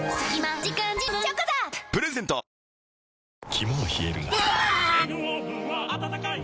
肝は冷えるがうわ！